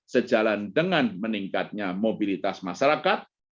sejalan dengan meningkatnya mobilitas masyarakat